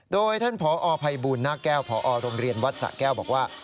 โดยท่านผอภัยบูลหน้าแก้วพอโรงเรียนวัดสะแก้วบอกว่า